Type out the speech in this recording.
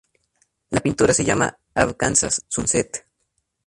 La pintura se llama "Arkansas sunset".